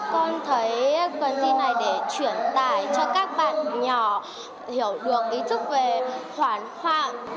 con thấy cuộc thi này để truyền tài cho các bạn nhỏ hiểu được ý thức về hoàn hoàng